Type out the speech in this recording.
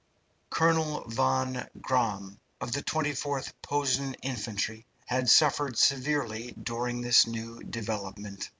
Colonel von Gramm, of the 24th Posen Infantry, had suffered severely during this new development.